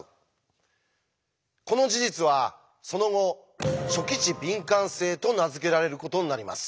この事実はその後「初期値敏感性」と名付けられることになります。